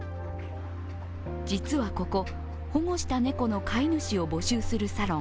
実はここ、保護した猫の飼い主を募集するサロン。